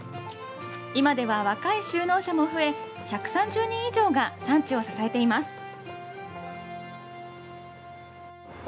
今では若い就農者も増え、１３０人以上が産地を支えています。